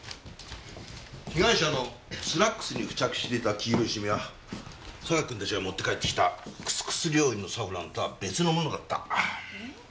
被害者のスラックスに付着していた黄色いシミは榊くんたちが持って帰ってきたクスクス料理のサフランとは別のものだった。え？